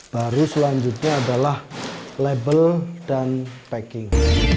baru selanjutnya adalah label dan packing